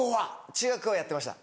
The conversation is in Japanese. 中学校はやってました。